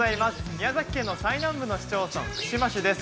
宮崎県の最南部の市町村、串間市です。